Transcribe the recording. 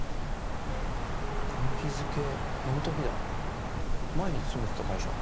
この日付辞めた日だ前に勤めてた会社。